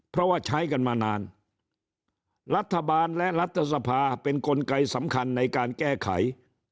เพราะว่าใช้กันมานานรัฐบาลและรัฐสภาเป็นกลไกสำคัญในการแก้ไข